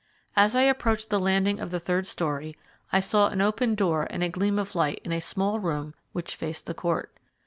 As I approached the landing of the third story I saw an open door and a gleam of light in a small room which faced the court.